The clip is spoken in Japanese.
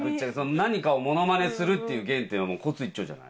何かをモノマネするっていう原点はコツ一丁じゃない？